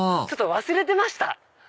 ちょっと忘れてました。